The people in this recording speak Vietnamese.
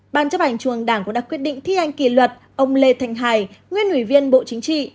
ban chấp hành trường đảng cũng đã quyết định thi hành kỳ luật ông lê thành hải nguyên ủy viên bộ chính trị